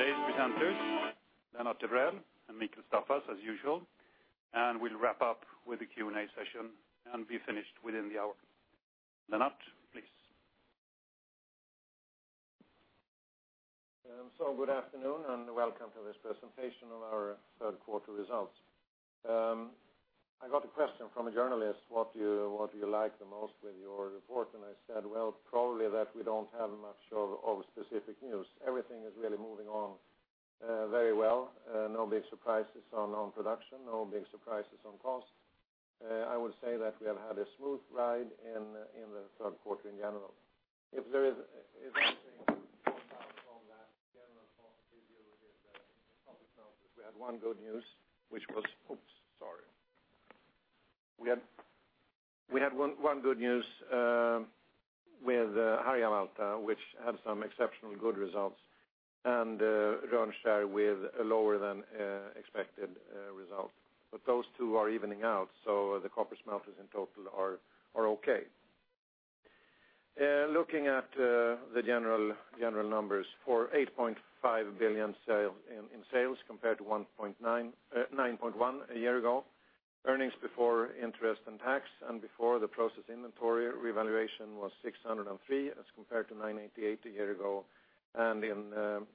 The importance of 2013. Today's presenters, Lennart Evrell and Mikael Staffas, as usual, we'll wrap up with a Q&A session and be finished within the hour. Lennart, please. Good afternoon, and welcome to this presentation on our third quarter results. I got a question from a journalist, what do you like the most with your report? I said, "Well, probably that we don't have much of specific news." Everything is really moving on very well. No big surprises on our own production, no big surprises on cost. I would say that we have had a smooth ride in the third quarter in general. If there is one thing to point out from that general positive view is the copper smelters. We had one good news. Oops, sorry. We had one good news with Harjavalta, which had some exceptionally good results, and Rönnskär with a lower than expected result. Those two are evening out, so the copper smelters in total are okay. Looking at the general numbers for 8.5 billion in sales compared to 9.1 billion a year ago. EBIT and before the process inventory revaluation was 603 million as compared to 988 million a year ago, and 681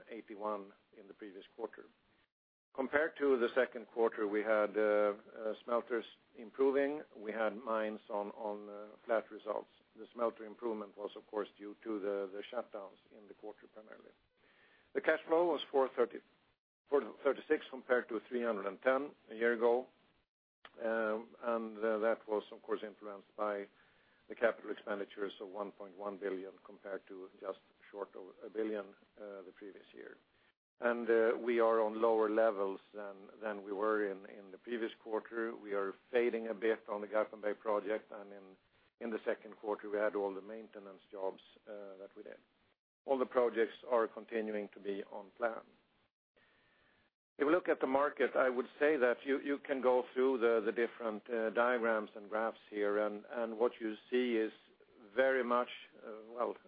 million in the previous quarter. Compared to the second quarter, we had smelters improving. We had mines on flat results. The smelter improvement was of course due to the shutdowns in the quarter, primarily. The cash flow was 436 million compared to 310 million a year ago. That was, of course, influenced by the capital expenditures of 1.1 billion compared to just short of 1 billion the previous year. We are on lower levels than we were in the previous quarter. We are fading a bit on the Garpenberg project, in the second quarter, we had all the maintenance jobs that we did. All the projects are continuing to be on plan. If we look at the market, I would say that you can go through the different diagrams and graphs here, what you see is very much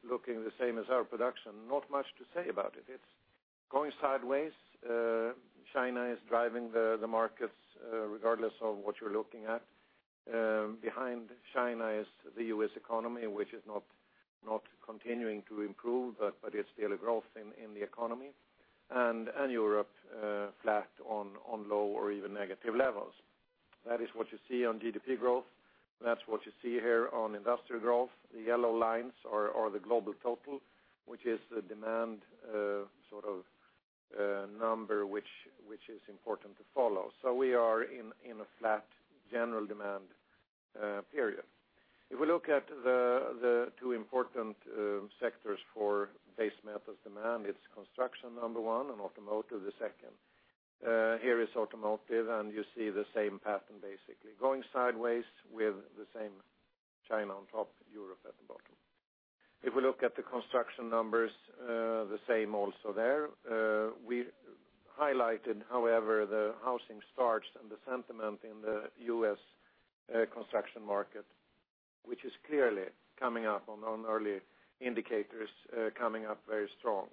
looking the same as our production. Not much to say about it. It's going sideways. China is driving the markets, regardless of what you're looking at. Behind China is the U.S. economy, which is not continuing to improve, but it's daily growth in the economy. Europe, flat on low or even negative levels. That is what you see on GDP growth. That's what you see here on industrial growth. The yellow lines are the global total, which is the demand number, which is important to follow. We are in a flat general demand period. If we look at the two important sectors for base metals demand, it's construction number 1 and automotive the 2nd. Here is automotive. You see the same pattern basically. Going sideways with the same China on top, Europe at the bottom. If we look at the construction numbers, the same also there. We highlighted, however, the housing starts and the sentiment in the U.S. construction market, which is clearly coming up on early indicators, coming up very strong.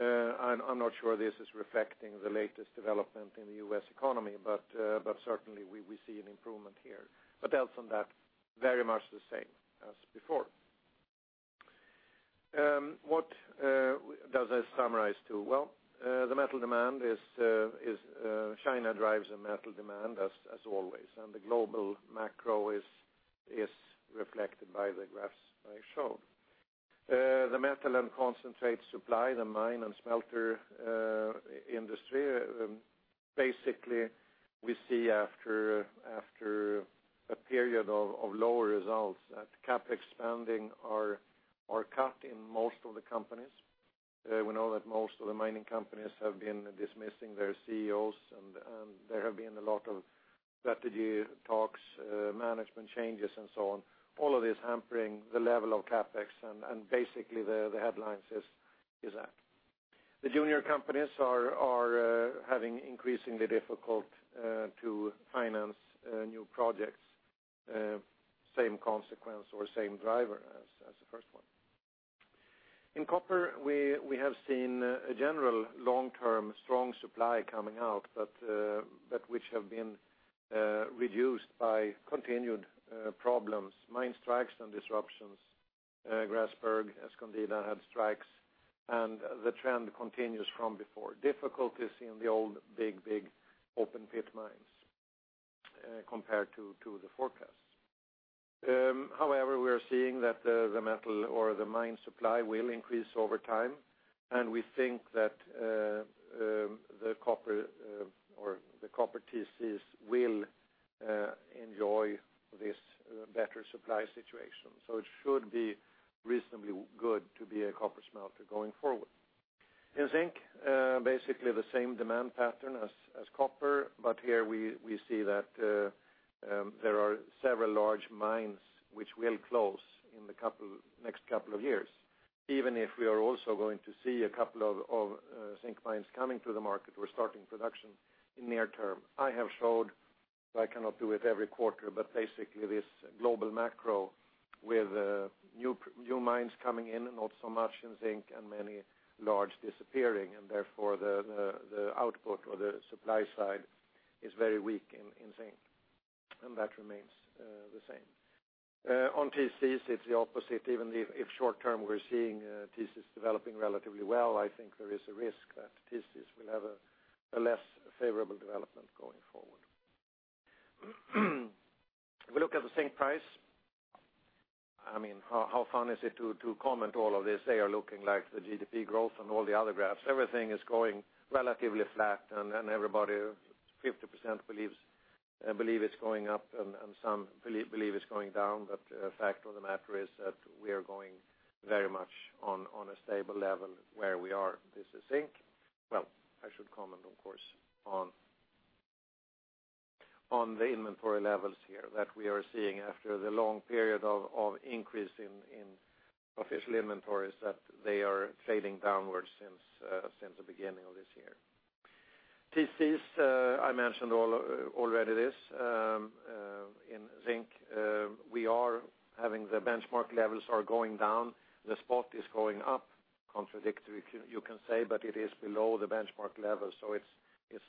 I'm not sure this is reflecting the latest development in the U.S. economy, but certainly we see an improvement here. Else than that, very much the same as before. What does this summarize to? Well, China drives the metal demand as always, and the global macro is reflected by the graphs I showed. The metal and concentrate supply, the mine and smelter industry. Basically, we see after a period of lower results that CapEx spending are cut in most of the companies. We know that most of the mining companies have been dismissing their CEOs, and there have been a lot of strategy talks, management changes and so on. All of this hampering the level of CapEx and basically the headlines is that. The junior companies are having increasingly difficult to finance new projects. Same consequence or same driver as the first one. In copper, we have seen a general long-term strong supply coming out, which have been reduced by continued problems, mine strikes, and disruptions. Grasberg, Escondida had strikes, and the trend continues from before. Difficulties in the old big open pit mines compared to the forecasts. However, we are seeing that the metal or the mine supply will increase over time. We think that the copper thesis will enjoy this better supply situation. It should be reasonably good to be a copper smelter going forward. In zinc, basically the same demand pattern as copper, here we see that there are several large mines which will close in the next couple of years. Even if we are also going to see a couple of zinc mines coming to the market, we're starting production in near term. I have showed I cannot do it every quarter, but basically this global macro with new mines coming in, not so much in zinc and many large disappearing and therefore the output or the supply side is very weak in zinc. That remains the same. On TC, it's the opposite. Even if short term, we're seeing TCs developing relatively well. I think there is a risk that TCs will have a less favorable development going forward. If we look at the zinc price, how fun is it to comment all of this? They are looking like the GDP growth and all the other graphs. Everything is going relatively flat. Everybody, 50% believe it's going up and some believe it's going down. The fact of the matter is that we are going very much on a stable level where we are. This is zinc. Well, I should comment of course, on the inventory levels here that we are seeing after the long period of increase in official inventories, that they are trading downwards since the beginning of this year. TCs, I mentioned already this, in zinc, we are having the benchmark levels are going down, the spot is going up. Contradictory you can say, it is below the benchmark level, it's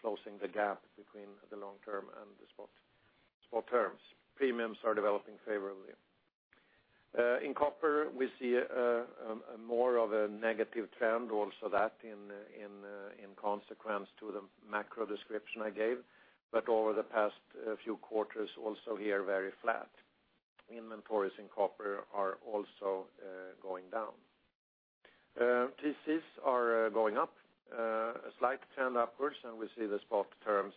closing the gap between the long term and the spot terms. Premiums are developing favorably. In copper, we see more of a negative trend also that in consequence to the macro description I gave. Over the past few quarters, also here very flat. Inventories in copper are also going down. TCs are going up, a slight turn upwards, and we see the spot terms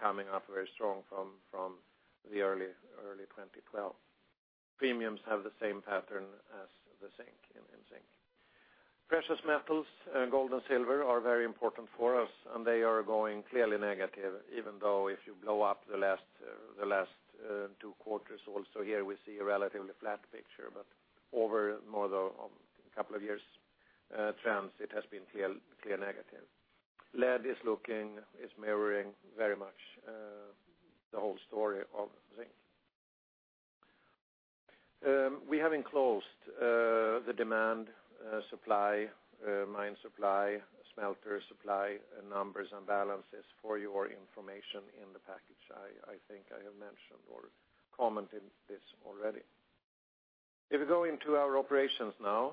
coming up very strong from the early 2012. Premiums have the same pattern as the zinc in zinc. Precious metals, gold and silver are very important for us, and they are going clearly negative, even though if you blow up the last two quarters, also here we see a relatively flat picture. Over more of a couple of years trends, it has been clear negative. Lead is mirroring very much the whole story of zinc. We have enclosed the demand supply, mine supply, smelter supply, numbers and balances for your information in the package. I think I have mentioned or commented this already. If we go into our operations now,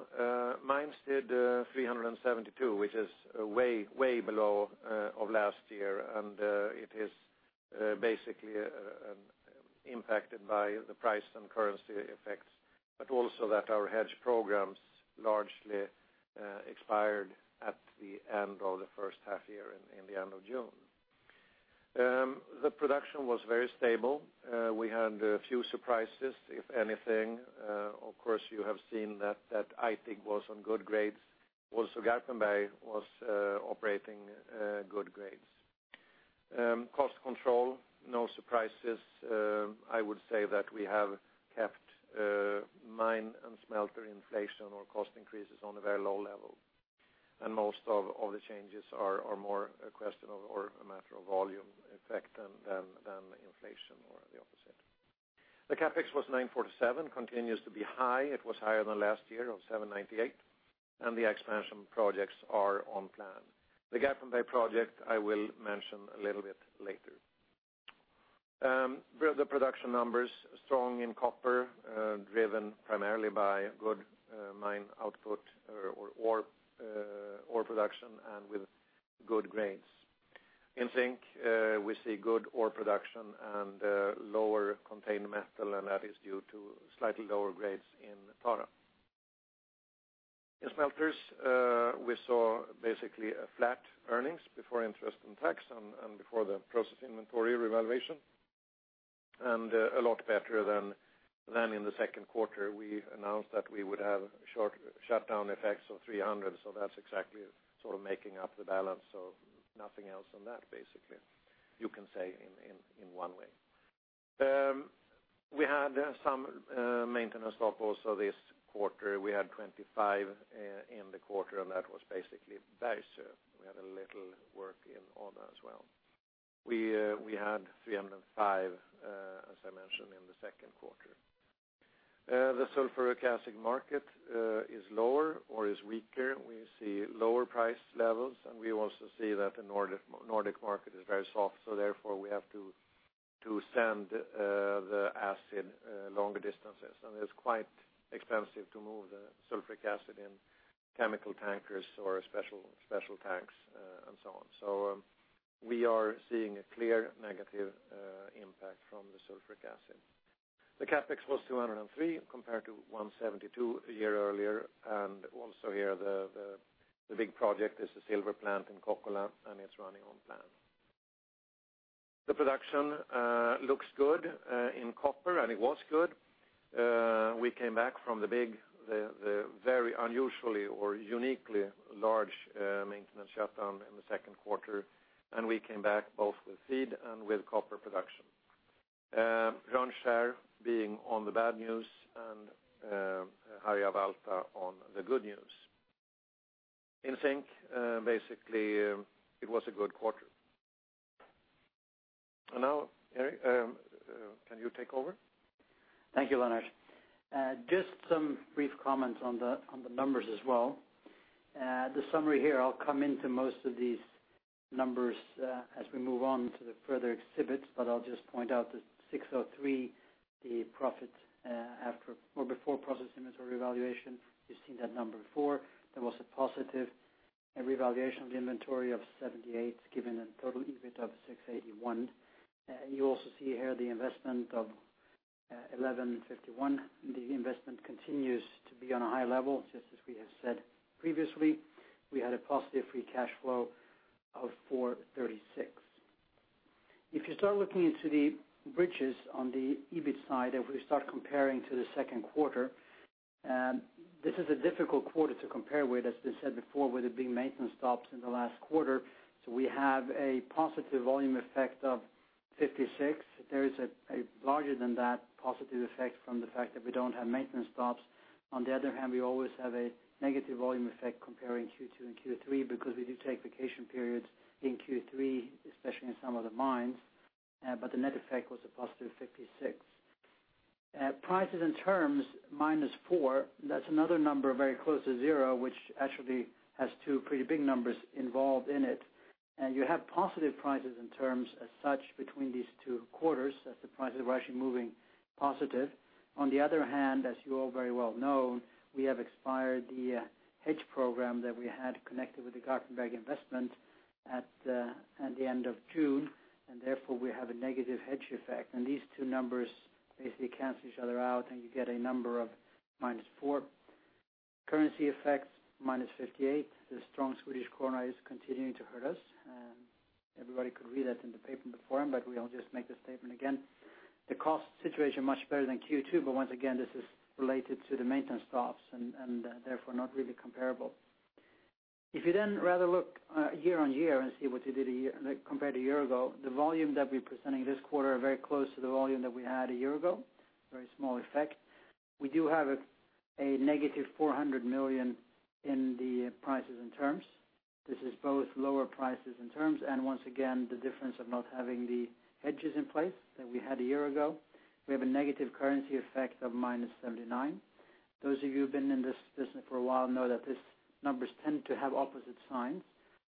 mines did 372, which is way below of last year. It is basically impacted by the price and currency effects, but also that our hedge programs largely expired at the end of the first half year in the end of June. The production was very stable. We had a few surprises, if anything. Of course, you have seen that Aitik was on good grades. Also, Garpenberg was operating good grades. Cost control, no surprises. I would say that we have kept mine and smelter inflation or cost increases on a very low level, and most of the changes are more a question of or a matter of volume effect than inflation or the opposite. The CapEx was 947, continues to be high. It was higher than last year of 798, the expansion projects are on plan. The Garpenberg project, I will mention a little bit later. The production numbers, strong in copper, driven primarily by good mine output or ore production and with good grades. In zinc, we see good ore production and lower contained metal, and that is due to slightly lower grades in Tara. In smelters, we saw basically a flat earnings before interest and tax and before the process inventory revaluation. A lot better than in the second quarter. We announced that we would have shutdown effects of 300. That's exactly sort of making up the balance. Nothing else on that basically, you can say in one way. We had some maintenance stop also this quarter. We had 25 in the quarter, and that was basically Bergsöe. We had a little work in Odda as well. We had 305, as I mentioned in the second quarter. The sulfuric acid market is lower or is weaker. We see lower price levels, we also see that the Nordic market is very soft, therefore we have to send the acid longer distances. It's quite expensive to move the sulfuric acid in chemical tankers or special tanks, and so on. We are seeing a clear negative impact from the sulfuric acid. The CapEx was 203 compared to 172 a year earlier. Also here the big project is the silver plant in Kokkola, it's running on plan. The production looks good in copper, it was good. We came back from the big, the very unusually or uniquely large maintenance shutdown in the second quarter, we came back both with feed and with copper production. Rönnskär being on the bad news and Harjavalta on the good news. In sync. Basically, it was a good quarter. Now, can you take over? Thank you, Lennart. Just some brief comments on the numbers as well. The summary here, I'll come into most of these numbers as we move on to the further exhibits, I'll just point out the 603, the profit before process inventory revaluation. You've seen that number before. There was a positive revaluation of the inventory of 78, given a total EBIT of 681. You also see here the investment of 1,151. The investment continues to be on a high level, just as we have said previously. We had a positive free cash flow of 436. If you start looking into the bridges on the EBIT side, if we start comparing to the second quarter, this is a difficult quarter to compare with, as we said before, with there being maintenance stops in the last quarter. We have a positive volume effect of 56. There is a larger than that positive effect from the fact that we don't have maintenance stops. On the other hand, we always have a negative volume effect comparing Q2 and Q3, because we do take vacation periods in Q3, especially in some of the mines. The net effect was a positive 56. Prices and terms, minus 4. That's another number very close to zero, which actually has two pretty big numbers involved in it. You have positive prices and terms as such between these two quarters, as the prices were actually moving positive. On the other hand, as you all very well know, we have expired the hedge program that we had connected with the Garpenberg investment at the end of June, therefore we have a negative hedge effect. These two numbers basically cancel each other out, and you get a number of minus 4. Currency effects, minus 58. The strong Swedish krona is continuing to hurt us. Everybody could read that in the paper before, we'll just make the statement again. The cost situation much better than Q2, once again, this is related to the maintenance stops, therefore not really comparable. If you then rather look year-on-year and see what you did compared to a year ago, the volume that we're presenting this quarter are very close to the volume that we had a year ago. Very small effect. We do have a negative 400 million in the prices and terms. This is both lower prices and terms, once again, the difference of not having the hedges in place that we had a year ago. We have a negative currency effect of minus 79. Those of you who've been in this business for a while know that these numbers tend to have opposite signs.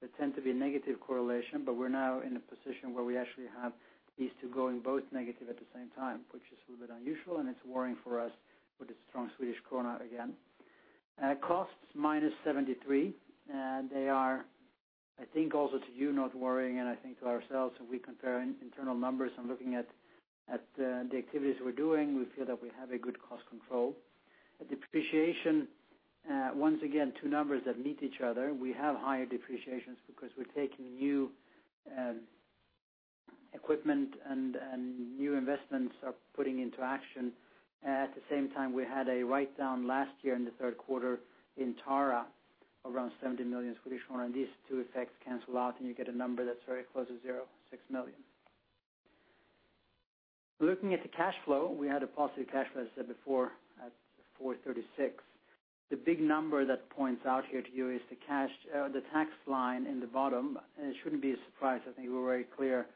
They tend to be a negative correlation. We're now in a position where we actually have these two going both negative at the same time, which is a little bit unusual. It's worrying for us with the strong Swedish krona again. Costs, minus 73. They are, I think also to you not worrying, and I think to ourselves, if we compare internal numbers and looking at the activities we're doing, we feel that we have a good cost control. The depreciation, once again, two numbers that meet each other. We have higher depreciations because we're taking new equipment and new investments are putting into action. At the same time, we had a write-down last year in the third quarter in Tara around 70 million Swedish kronor. These two effects cancel out. You get a number that's very close to zero, 6 million. Looking at the cash flow, we had a positive cash flow, as I said before, at 436. The big number that points out here to you is the tax line in the bottom. It shouldn't be a surprise, I think we were very clear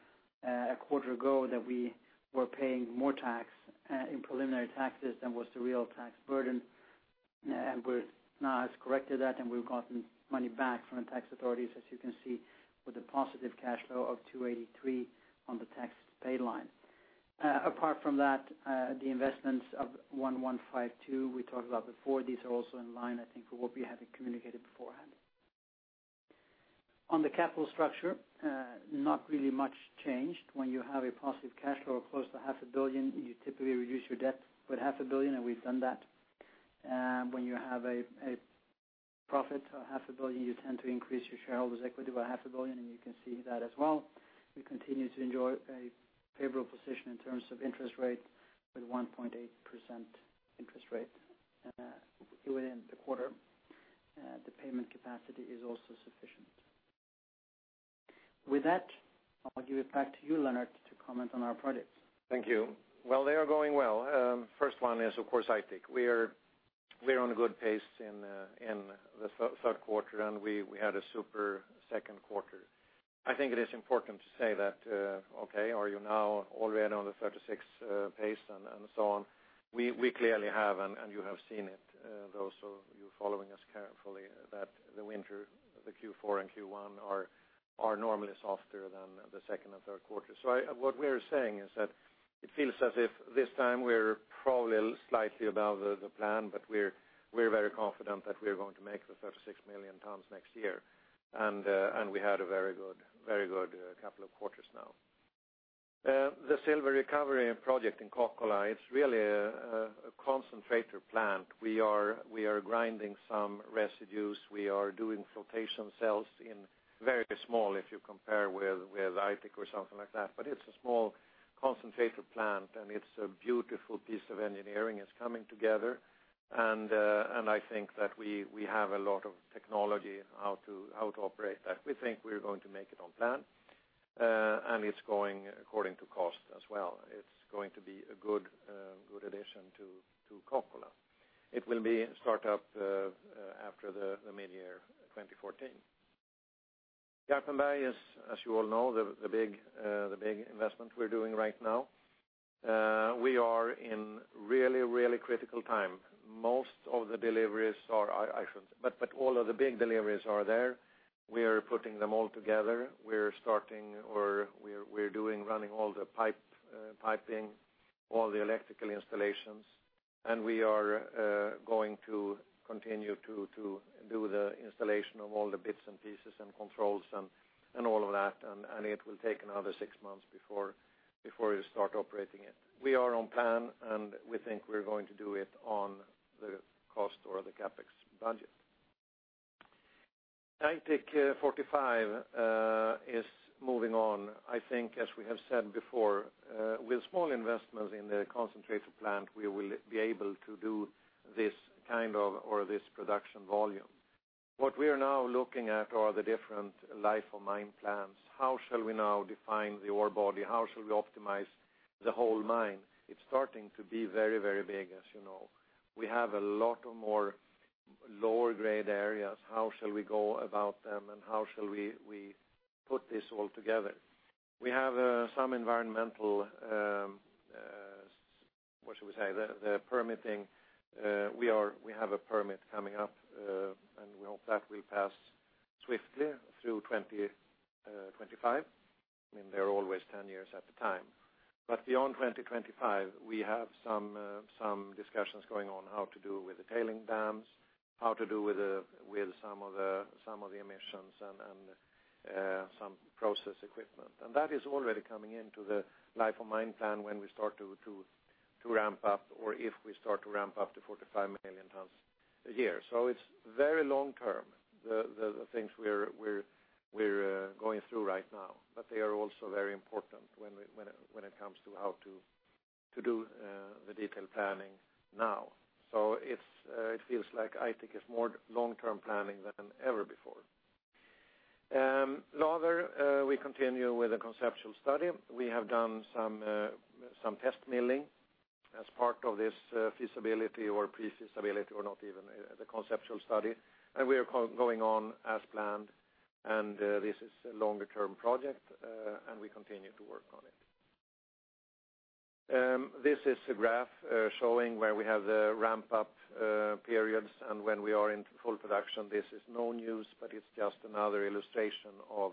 a quarter ago that we were paying more tax in preliminary taxes than was the real tax burden. We're now has corrected that, and we've gotten money back from the tax authorities, as you can see, with a positive cash flow of 283 on the tax paid line. Apart from that, the investments of 1,152 we talked about before. These are also in line, I think, with what we have communicated beforehand. On the capital structure, not really much changed. When you have a positive cash flow of close to half a billion, you typically reduce your debt with half a billion. We've done that. When you have a profit of half a billion, you tend to increase your shareholders' equity by half a billion. You can see that as well. We continue to enjoy a favorable position in terms of interest rate with 1.8% interest rate within the quarter. The payment capacity is also sufficient. With that, I'll give it back to you, Lennart, to comment on our projects. Thank you. They are going well. First one is, of course, Aitik. We're on a good pace in the third quarter. We had a super second quarter. I think it is important to say that, okay, are you now already on the 36 pace and so on? We clearly have, and you have seen it, those of you following us carefully, that the winter, the Q4 and Q1 are normally softer than the second and third quarters. What we're saying is that it feels as if this time we're probably slightly above the plan. We're very confident that we're going to make the 36 million tons next year. We had a very good couple of quarters now. The silver recovery project in Kokkola, it's really a concentrator plant. We are grinding some residues. We are doing flotation cells in very small, if you compare with Aitik or something like that. It's a small concentrator plant, and it's a beautiful piece of engineering. It's coming together, and I think that we have a lot of technology in how to operate that. We think we're going to make it on plan. It's going according to cost as well. It's going to be a good addition to Kokkola. It will be start up after the mid-year 2014. Garpenberg, as you all know, the big investment we're doing right now. We are in really critical time. Most of the deliveries are, I should say, but all of the big deliveries are there. We are putting them all together. We're starting running all the piping, all the electrical installations. We are going to continue to do the installation of all the bits and pieces and controls and all of that. It will take another six months before we start operating it. We are on plan, and we think we're going to do it on the cost or the CapEx budget. Aitik 45 is moving on. I think as we have said before, with small investments in the concentrator plant, we will be able to do this kind of, or this production volume. What we are now looking at are the different life of mine plans. How shall we now define the ore body? How shall we optimize the whole mine? It's starting to be very big, as you know. We have a lot of more lower-grade areas. How shall we go about them, and how shall we put this all together? We have some environmental, what should we say, the permitting. We have a permit coming up, and we hope that will pass swiftly through 2025. I mean, they're always 10 years at the time. Beyond 2025, we have some discussions going on how to do with the tailing dams, how to do with some of the emissions and some process equipment. That is already coming into the life of mine plan when we start to ramp up, or if we start to ramp up to 45 million tons a year. It's very long term, the things we're going through right now, but they are also very important when it comes to how to do the detailed planning now. It feels like Aitik is more long-term planning than ever before. Laver, we continue with the conceptual study. We have done some test milling as part of this feasibility or pre-feasibility or not even the conceptual study, and we are going on as planned, and this is a longer-term project, and we continue to work on it. This is a graph showing where we have the ramp-up periods and when we are into full production. This is no news, but it's just another illustration of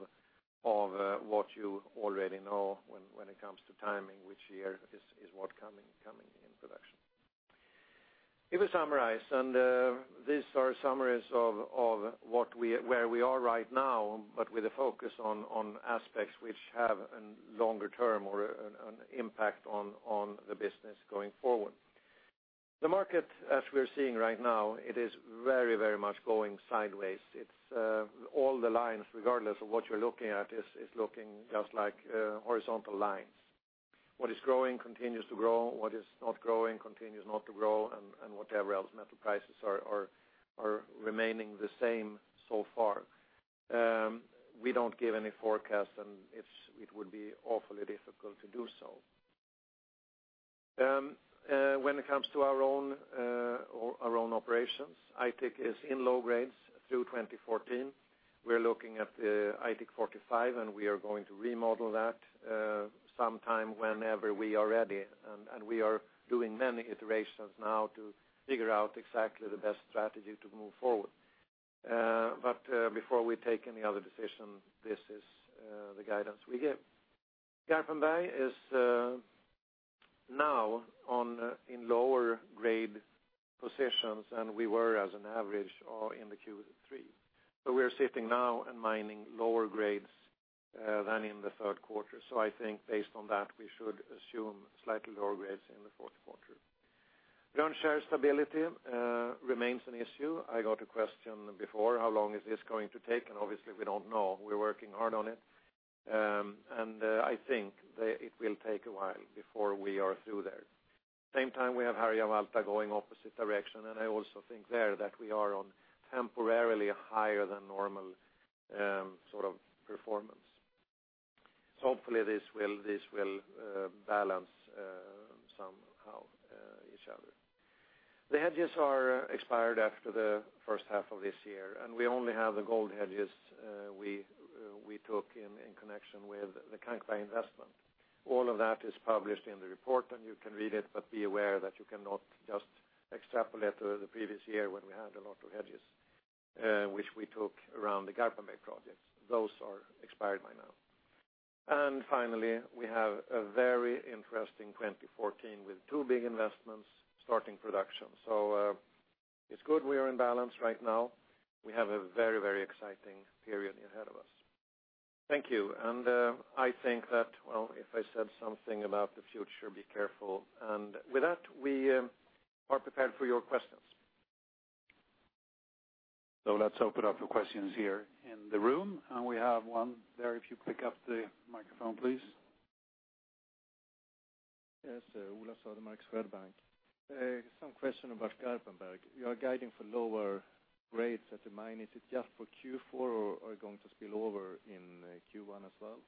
what you already know when it comes to timing, which year is what coming in production. If we summarize, and these are summaries of where we are right now, but with a focus on aspects which have a longer term or an impact on the business going forward. The market, as we're seeing right now, it is very much going sideways. It's all the lines, regardless of what you're looking at, is looking just like horizontal lines. What is growing continues to grow. What is not growing continues not to grow, whatever else metal prices are remaining the same so far. We don't give any forecast, and it would be awfully difficult to do so. When it comes to our own operations, Aitik is in low grades through 2014. We're looking at Aitik 45, and we are going to remodel that sometime whenever we are ready. We are doing many iterations now to figure out exactly the best strategy to move forward. Before we take any other decision, this is the guidance we give. Garpenberg is now in lower grade positions than we were as an average or in the Q3. We are sitting now and mining lower grades than in the third quarter. I think based on that, we should assume slightly lower grades in the fourth quarter. Rönnskär stability remains an issue. I got a question before, how long is this going to take? Obviously, we don't know. We're working hard on it. I think that it will take a while before we are through there. Same time we have Harjavalta going opposite direction, I also think there that we are on temporarily higher than normal sort of performance. Hopefully this will balance somehow each other. The hedges are expired after the first half of this year, we only have the gold hedges we took in connection with the Garpenberg investment. All of that is published in the report, you can read it, be aware that you cannot just extrapolate the previous year when we had a lot of hedges, which we took around the Garpenberg projects. Those are expired by now. Finally, we have a very interesting 2014 with two big investments starting production. It's good we are in balance right now. We have a very, very exciting period ahead of us. Thank you. I think that, well, if I said something about the future, be careful. With that, we are prepared for your questions. Let's open up for questions here in the room. We have one there. If you pick up the microphone, please. Yes, Ola Södermark, Swedbank. Some question about Garpenberg. You are guiding for lower rates at the mine. Is it just for Q4 or are you going to spill over in Q1 as well?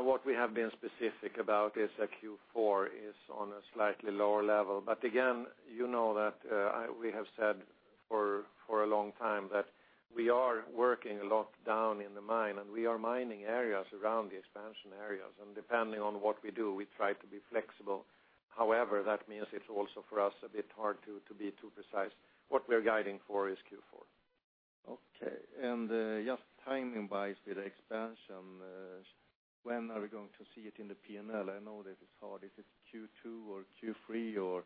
What we have been specific about is that Q4 is on a slightly lower level. Again, you know that we have said for a long time that we are working a lot down in the mine, and we are mining areas around the expansion areas. Depending on what we do, we try to be flexible. However, that means it's also for us a bit hard to be too precise. What we are guiding for is Q4. Okay. Just timing wise with the expansion, when are we going to see it in the P&L? I know that it's hard. If it's Q2 or Q3 or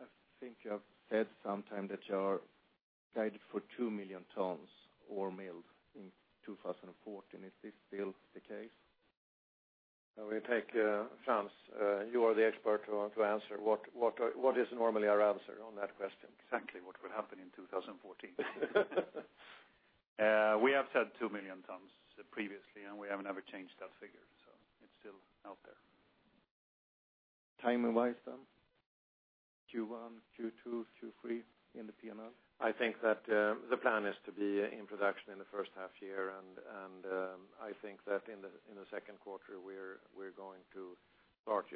I think you have said sometime that you are guided for 2 million tons ore milled in 2014. Is this still the case? I will take, Hans, you are the expert to answer. What is normally our answer on that question? Exactly what will happen in 2014. We have said 2 million tons previously, we have never changed that figure, it's still out there. Timing wise? Q1, Q2, Q3 in the P&L? I think that the plan is to be in production in the first half-year, I think that in the second quarter we're going to start.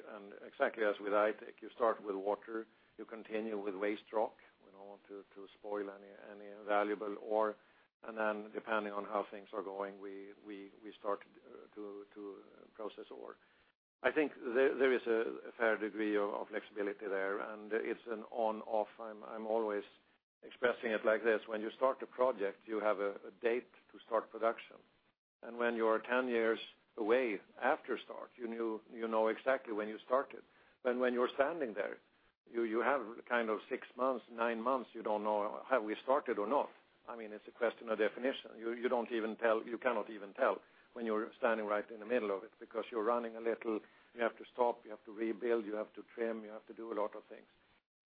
Exactly as with Aitik, you start with water, you continue with waste rock. We don't want to spoil any valuable ore. Depending on how things are going, we start to process ore. I think there is a fair degree of flexibility there, it's an on/off. I'm always expressing it like this. When you start a project, you have a date to start production. When you are 10 years away after start, you know exactly when you started. When you're standing there, you have six months, nine months, you don't know, have we started or not? It's a question of definition. You cannot even tell when you're standing right in the middle of it because you're running a little, you have to stop, you have to rebuild, you have to trim, you have to do a lot of things.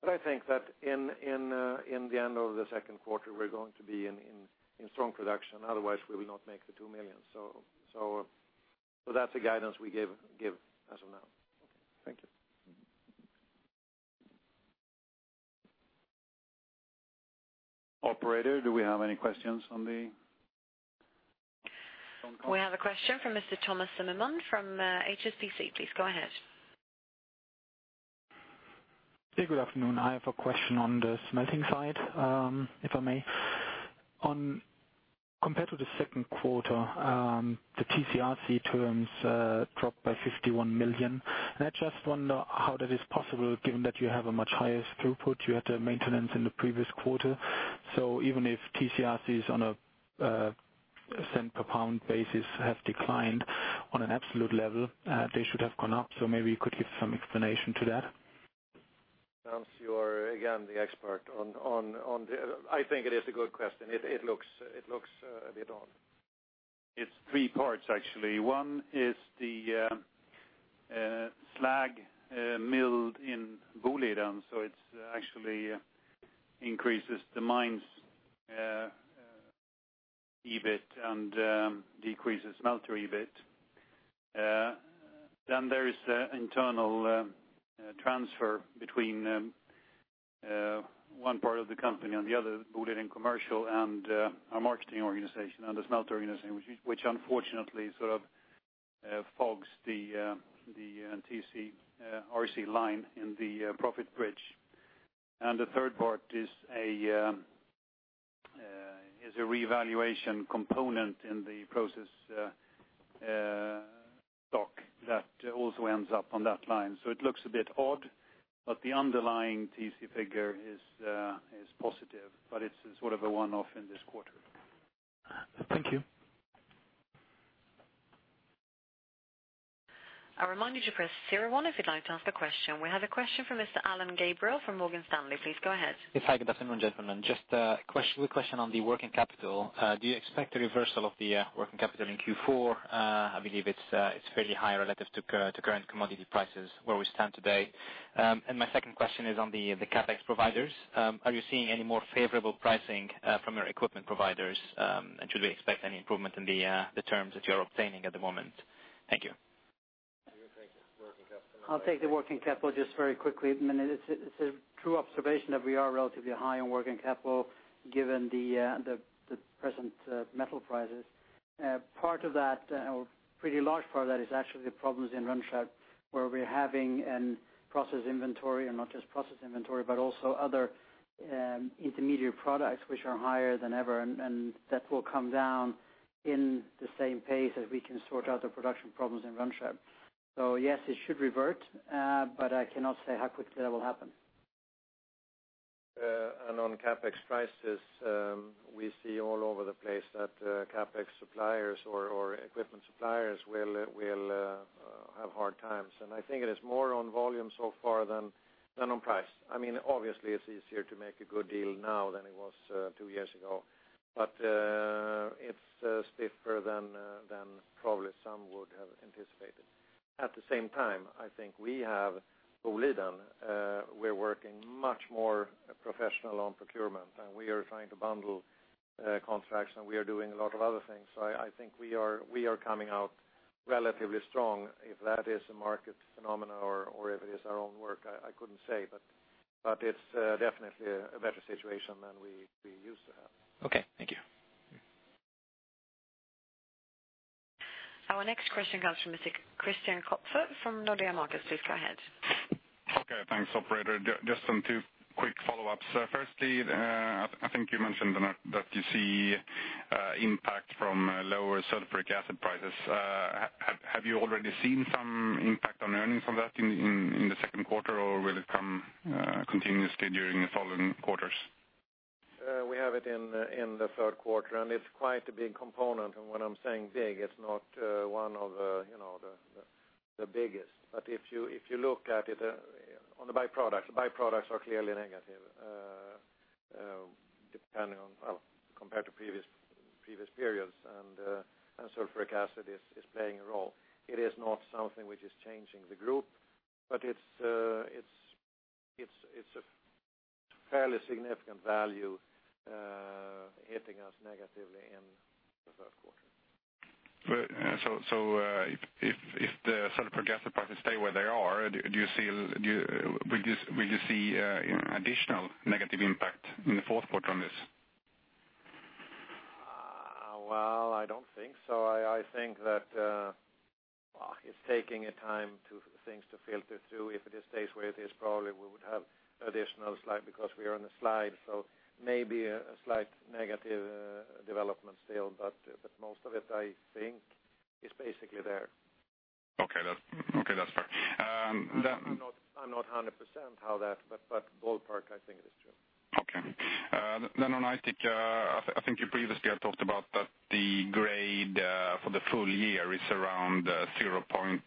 I think that in the end of the second quarter, we're going to be in strong production, otherwise we will not make the 2 million. That's the guidance we give as of now. Okay. Thank you. Operator, do we have any questions on the phone call? We have a question from Mr. Thomas Timmermann from HSBC. Please go ahead. Good afternoon. I have a question on the smelting side, if I may. Compared to the second quarter, the TCRC terms dropped by 51 million. I just wonder how that is possible given that you have a much higher throughput. You had a maintenance in the previous quarter. Even if TCRCs on a SEK 0.01 per pound basis have declined on an absolute level, they should have gone up. Maybe you could give some explanation to that. Hans, you are again, the expert on the. I think it is a good question. It looks a bit odd. It's three parts, actually. One is the slag milled in Boliden, so it actually increases the mine's EBIT and decreases smelter EBIT. There is the internal transfer between one part of the company and the other, Boliden commercial and our marketing organization and the smelter organization, which unfortunately sort of fogs the TCRC line in the profit bridge. The third part is a reevaluation component in the process stock that also ends up on that line. It looks a bit odd, but the underlying TC figure is positive, but it's sort of a one-off in this quarter. Thank you. I remind you to press zero one if you'd like to ask a question. We have a question from Mr. Alain Gabriel from Morgan Stanley. Please go ahead. Yes. Hi, good afternoon, gentlemen. Just a quick question on the working capital. Do you expect a reversal of the working capital in Q4? I believe it's fairly high relative to current commodity prices where we stand today. My second question is on the CapEx providers. Are you seeing any more favorable pricing from your equipment providers? Should we expect any improvement in the terms that you're obtaining at the moment? Thank you. Do you want to take the working capital? I'll take the working capital just very quickly. It's a true observation that we are relatively high on working capital given the present metal prices. A pretty large part of that is actually the problems in Rönnskär where we're having process inventory and not just process inventory, but also other intermediate products which are higher than ever, and that will come down in the same pace as we can sort out the production problems in Rönnskär. Yes, it should revert, but I cannot say how quickly that will happen. On CapEx prices, we see all over the place that CapEx suppliers or equipment suppliers will have hard times. I think it is more on volume so far than on price. Obviously it's easier to make a good deal now than it was two years ago, but it's stiffer than probably some would have anticipated. At the same time, I think we have Boliden, we're working much more professional on procurement, we are trying to bundle contracts and we are doing a lot of other things. I think we are coming out relatively strong. If that is a market phenomenon or if it is our own work, I couldn't say, but it's definitely a better situation than we used to have. Okay. Thank you. Our next question comes from Mr. Christian Kopfer from Nordea Markets. Please go ahead. Okay, thanks operator. Just some two quick follow-ups. Firstly, I think you mentioned that you see impact from lower sulfuric acid prices. Have you already seen some impact on earnings from that in the second quarter, or will it come continuously during the following quarters? We have it in the third quarter, and it's quite a big component. When I'm saying big, it's not one of the biggest. If you look at it on the byproducts, the byproducts are clearly negative depending on compared to previous periods and sulfuric acid is playing a role. It is not something which is changing the group, but it's a fairly significant value hitting us negatively in the third quarter. If the sulfuric acid prices stay where they are, will you see additional negative impact in the fourth quarter on this? Well, I don't think so. I think that it's taking a time to things to filter through. If it stays where it is, probably we would have additional slide because we are on a slide, maybe a slight negative development still, but most of it I think is basically there. Okay. That's fair. I'm not 100% how that, but ballpark, I think it is true. Okay. On Aitik, I think you previously had talked about that the grade for the full year is around 0.20.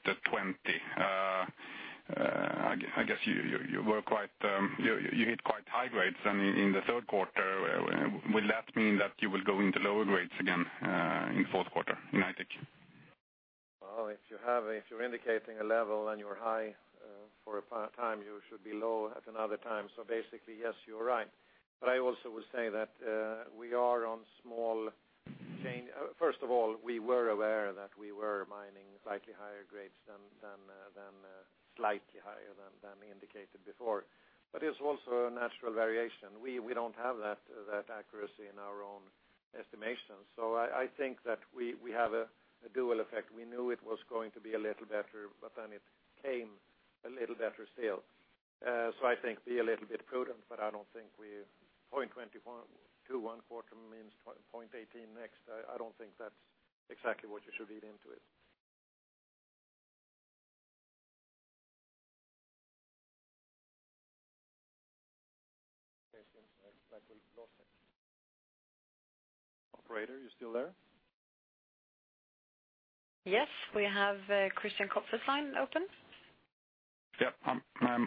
I guess you hit quite high grades in the third quarter, will that mean that you will go into lower grades again in fourth quarter, in Aitik? Well, if you're indicating a level and you are high for a time, you should be low at another time. Basically, yes, you're right. I also will say that we are on small change. First of all, we were aware that we were mining slightly higher grades than indicated before, it's also a natural variation. We don't have that accuracy in our own estimations. I think that we have a dual effect. We knew it was going to be a little better, it came a little better still. I think be a little bit prudent, I don't think we 0.21 quarter means 0.18 next. I don't think that's exactly what you should read into it. It seems like we've lost it. Operator, are you still there? Yes, we have Christian Kopfer's line open. Yep.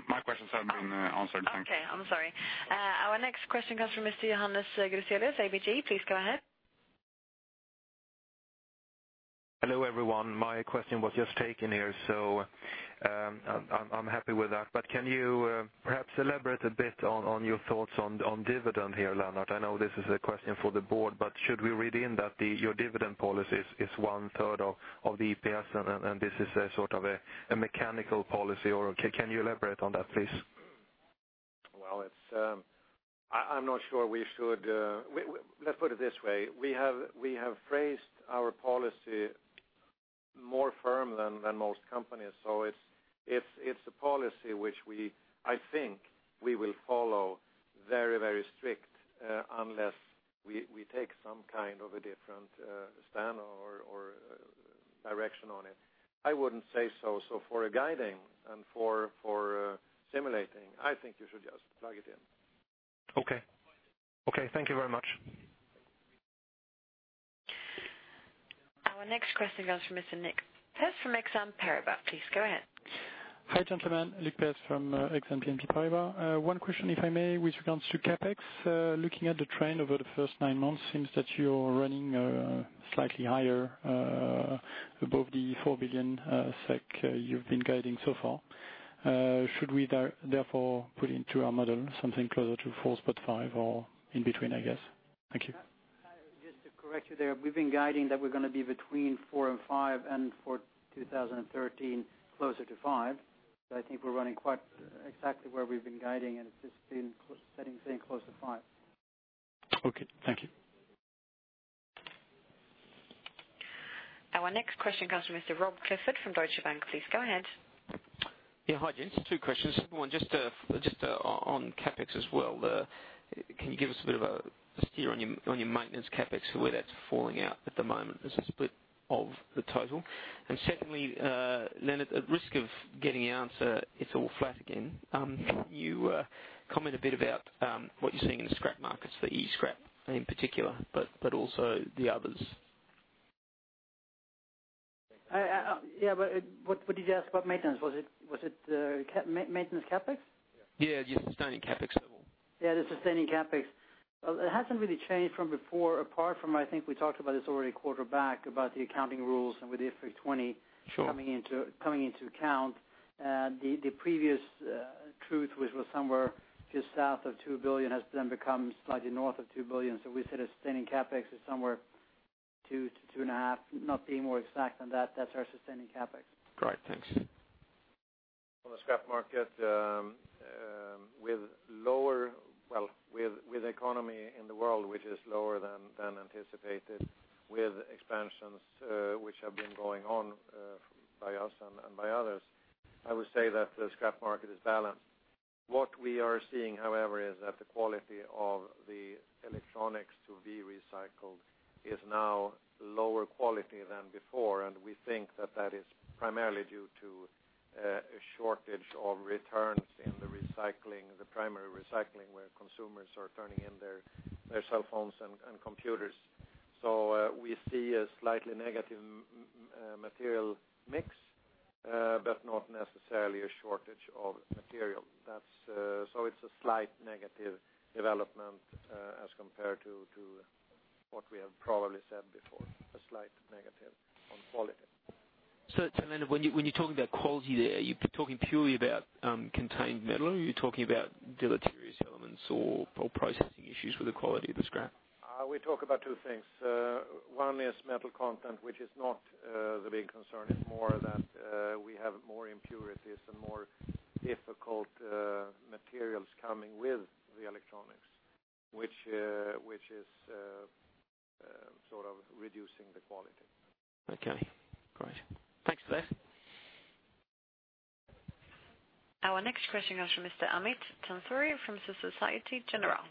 My questions have been answered. Thank you. Okay. I'm sorry. Our next question comes from Mr. Johannes Gruselius, ABG. Please go ahead. Hello, everyone. My question was just taken here, so, I'm happy with that. Can you perhaps elaborate a bit on your thoughts on dividend here, Lennart? I know this is a question for the board, but should we read in that your dividend policy is one third of the EPS and this is a sort of a mechanical policy, or can you elaborate on that, please? Well, let's put it this way. We have phrased our policy more firm than most companies. It's a policy which I think we will follow very strict, unless we take some kind of a different stand or direction on it. I wouldn't say so. For a guiding and for simulating, I think you should just plug it in. Okay. Thank you very much. Our next question comes from Mr. Nick Pease from Exane BNP Paribas. Please go ahead. Hi, gentlemen. Nick Pease from Exane BNP Paribas. One question, if I may, with regards to CapEx. Looking at the trend over the first nine months, seems that you're running slightly higher, above the 4 billion SEK you've been guiding so far. Should we therefore put into our model something closer to 4.5 billion or in between, I guess? Thank you. Just to correct you there, we've been guiding that we're going to be between 4 billion and 5 billion and for 2013, closer to 5 billion. I think we're running quite exactly where we've been guiding, and it's just been sitting close to 5 billion. Okay. Thank you. Our next question comes from Mr. Rob Clifford from Deutsche Bank. Please go ahead. Yeah. Hi, gents. Two questions. One, just on CapEx as well. Can you give us a bit of a steer on your maintenance CapEx for where that's falling out at the moment as a split of the total? Secondly, Lennart, at risk of getting the answer, it's all flat again. Can you comment a bit about what you're seeing in the scrap markets for E-scrap in particular, but also the others? Yeah, what did you ask about maintenance? Was it maintenance CapEx? Yeah, just sustaining CapEx level. Yeah, the sustaining CapEx. It hasn't really changed from before, apart from, I think we talked about this already a quarter back about the accounting rules and with [IFRS 20-] Sure coming into account. The previous truth, which was somewhere just south of 2 billion, has then become slightly north of 2 billion. We said a sustaining CapEx is somewhere 2 billion-2.5 billion, not being more exact than that. That's our sustaining CapEx. Great. Thanks. On the scrap market, with economy in the world, which is lower than anticipated, with expansions which have been going on by us and by others, I would say that the scrap market is balanced. What we are seeing, however, is that the quality of the electronics to be recycled is now lower quality than before, and we think that is primarily due to a shortage of returns in the primary recycling, where consumers are turning in their cell phones and computers. We see a slightly negative material mix, but not necessarily a shortage of material. It's a slight negative development, as compared to what we have probably said before, a slight negative on quality. Lennart, when you're talking about quality there, you talking purely about contained metal, or are you talking about deleterious elements or processing issues with the quality of the scrap? We talk about two things. One is metal content, which is not the big concern. It's more that we have more impurities and more difficult materials coming with the electronics, which is sort of reducing the quality. Okay, great. Thanks for that. Our next question comes from Mr. Amit Haksar from Société Générale.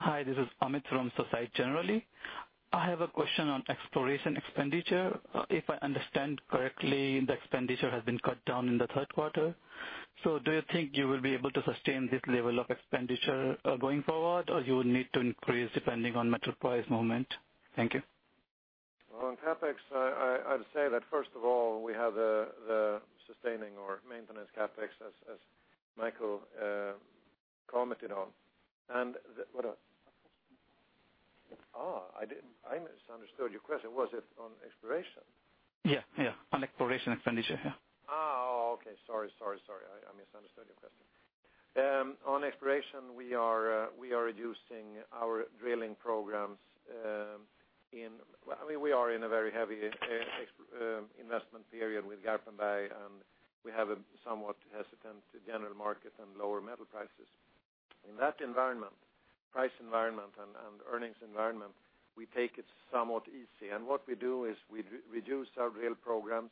Hi, this is Amit from Société Générale. I have a question on exploration expenditure. If I understand correctly, the expenditure has been cut down in the third quarter. Do you think you will be able to sustain this level of expenditure going forward, or you will need to increase depending on metal price movement? Thank you. Well, on CapEx, I'd say that first of all, we have the sustaining or maintenance CapEx, as Mikael commented on, I misunderstood your question. Was it on exploration? Yeah. On exploration expenditure, yeah. Oh, okay. Sorry. I misunderstood your question. On exploration, we are reducing our drilling programs. We are in a very heavy investment period with Garpenberg, and we have a somewhat hesitant general market and lower metal prices. In that price environment and earnings environment, we take it somewhat easy. What we do is we reduce our drill programs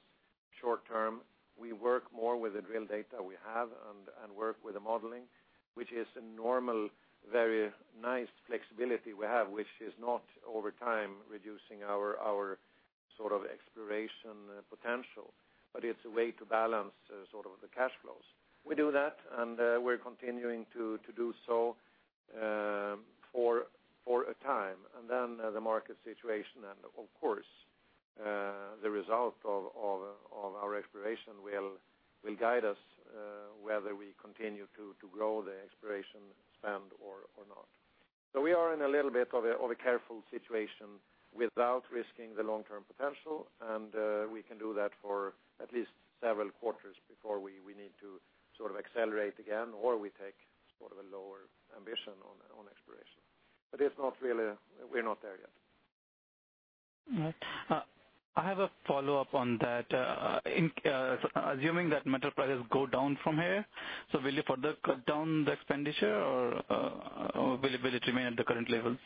short term. We work more with the drill data we have and work with the modeling, which is a normal, very nice flexibility we have, which is not over time reducing our exploration potential. It is a way to balance the cash flows. We do that, and we are continuing to do so for a time. The market situation and of course, the result of our exploration will guide us whether we continue to grow the exploration spend or not. We are in a little bit of a careful situation without risking the long-term potential, and we can do that for at least several quarters before we need to accelerate again, or we take a lower ambition on exploration. We are not there yet. All right. I have a follow-up on that. Assuming that metal prices go down from here, will you further cut down the expenditure or will it remain at the current level?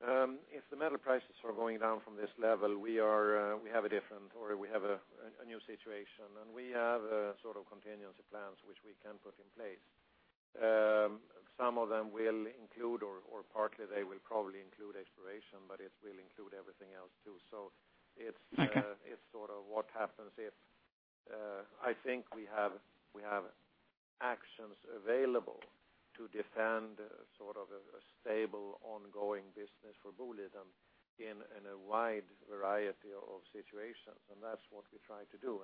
If the metal prices are going down from this level, we have a different or we have a new situation, and we have contingency plans which we can put in place. Some of them will include, or partly they will probably include exploration, but it will include everything else, too. Okay sort of what happens if I think we have actions available to defend a stable, ongoing business for Boliden in a wide variety of situations, and that's what we try to do.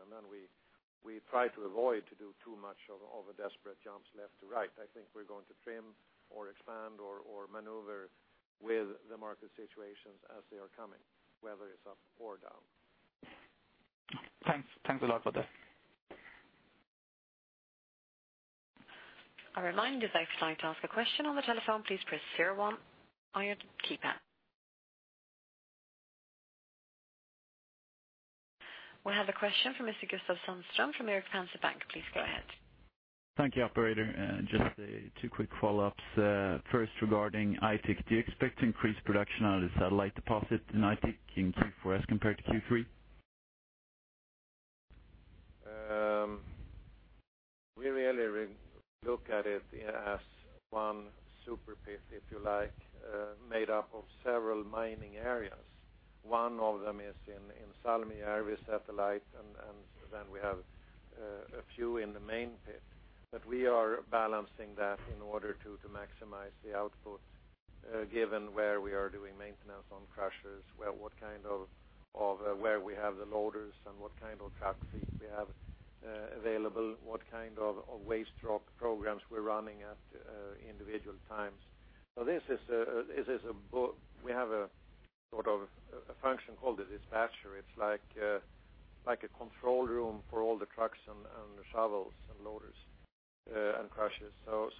We try to avoid to do too much of a desperate jumps left to right. I think we're going to trim or expand or maneuver with the market situations as they are coming, whether it's up or down. Thanks. Thanks a lot for that. A reminder that if you'd like to ask a question on the telephone, please press 01 on your keypad. We have a question from Mr. Gustav Sandström from Erik Penser Bank. Please go ahead. Thank you, operator. Just two quick follow-ups. First, regarding Aitik. Do you expect increased production out of the satellite deposit in Aitik in Q4 as compared to Q3? We really look at it as one super pit, if you like, made up of several mining areas. One of them is in Salmijärvi satellite, then we have aafew in the main pit. We are balancing that in order to maximize the output, given where we are doing maintenance on crushers, where we have the loaders, and what kind of truck fleet we have available, what kind of waste rock programs we're running at individual times. We have a sort of a function called a dispatcher. It's like a control room for all the trucks and the shovels and loaders. Crushes.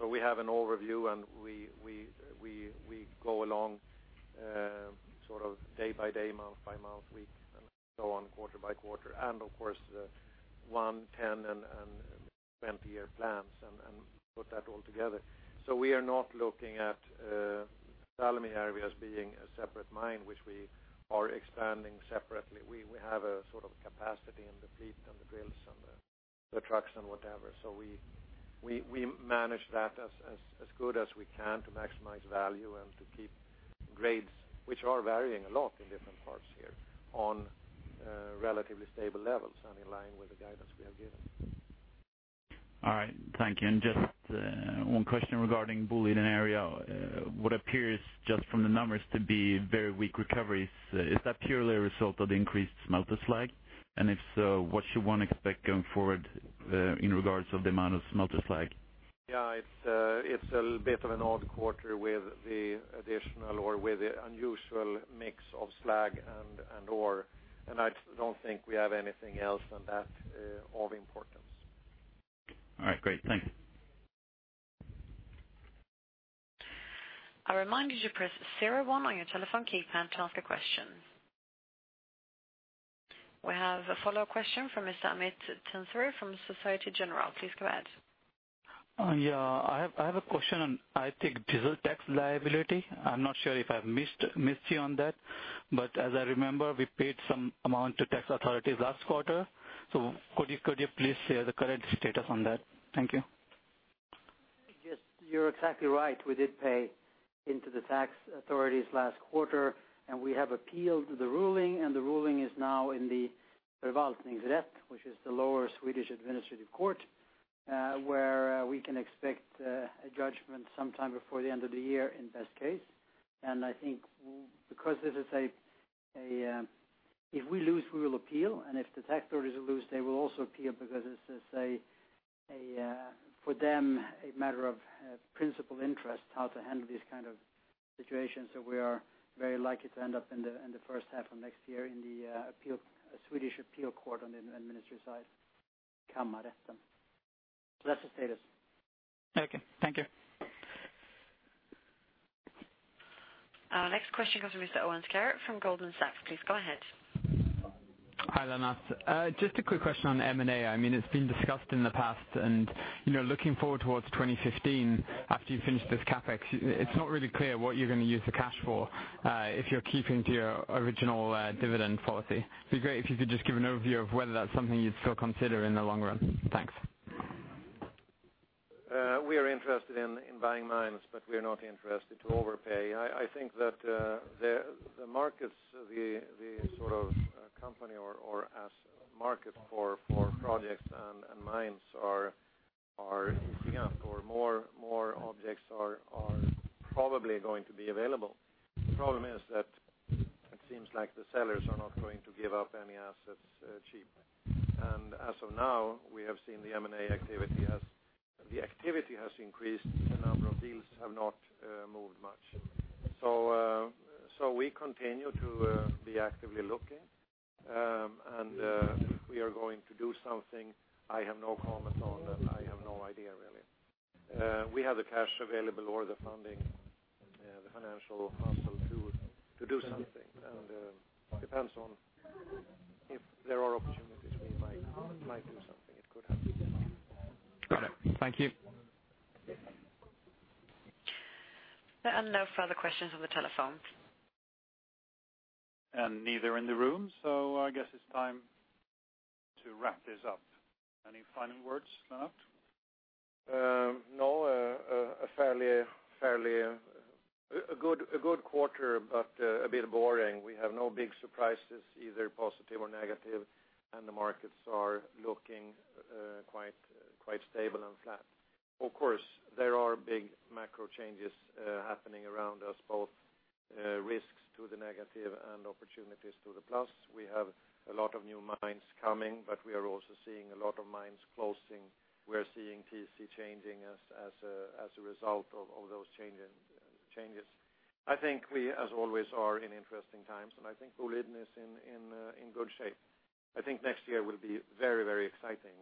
We have an overview and we go along sort of day by day, month by month, week, and so on, quarter by quarter. Of course, the one, 10, and 20-year plans and put that all together. We are not looking at Salmi area as being a separate mine, which we are expanding separately. We have a capacity in the fleet and the drills and the trucks and whatever. We manage that as good as we can to maximize value and to keep grades, which are varying a lot in different parts here, on relatively stable levels and in line with the guidance we have given. All right. Thank you. Just one question regarding Boliden area. What appears just from the numbers to be very weak recoveries, is that purely a result of the increased smelter slag? If so, what should one expect going forward in regards of the amount of smelter slag? Yeah. It's a bit of an odd quarter with the additional or with the unusual mix of slag and ore. I don't think we have anything else than that of importance. All right. Great. Thank you. I'll remind you to press zero one on your telephone keypad to ask a question. We have a follow-up question from Mr. Amit Haksar from Société Générale. Please go ahead. I have a question on, I think, diesel tax liability. I'm not sure if I've missed you on that. As I remember, we paid some amount to tax authorities last quarter. Could you please share the current status on that? Thank you. Yes, you're exactly right. We did pay into the tax authorities last quarter. We have appealed the ruling. The ruling is now in the which is the lower Swedish Administrative Court, where we can expect a judgment sometime before the end of the year in best case. I think because if we lose, we will appeal. If the tax authorities lose, they will also appeal because this is, for them, a matter of principal interest, how to handle these kind of situations. We are very likely to end up in the first half of next year in the Swedish Appeal Court on the Administrative side. That's the status. Okay. Thank you. Our next question comes from Mr. Owen Garrett from Goldman Sachs. Please go ahead. Hi Lennart. Just a quick question on M&A. It's been discussed in the past and looking forward towards 2015 after you finish this CapEx, it's not really clear what you're going to use the cash for if you're keeping to your original dividend policy. It'd be great if you could just give an overview of whether that's something you'd still consider in the long run. Thanks. We are interested in buying mines, but we are not interested to overpay. I think that the markets, the company or asset market for projects and mines are easing up. More objects are probably going to be available. The problem is that it seems like the sellers are not going to give up any assets cheap. As of now, we have seen the M&A activity has increased. The number of deals have not moved much. We continue to be actively looking. If we are going to do something, I have no comment on that. I have no idea, really. We have the cash available or the funding, the financial muscle to do something. It depends on if there are opportunities, we might do something. It could happen. Got it. Thank you. There are no further questions on the telephone. Neither in the room, so I guess it's time to wrap this up. Any final words, Mats? No. A good quarter, but a bit boring. We have no big surprises, either positive or negative, and the markets are looking quite stable and flat. Of course, there are big macro changes happening around us, both risks to the negative and opportunities to the plus. We have a lot of new mines coming, but we are also seeing a lot of mines closing. We're seeing TC changing as a result of those changes. I think we, as always, are in interesting times, and I think Boliden is in good shape. I think next year will be very exciting.